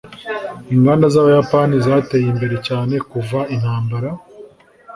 inganda z'abayapani zateye imbere cyane kuva intambara